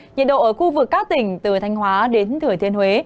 nhiệt độ ở khu vực các tỉnh từ thanh hóa đến thừa thiên huế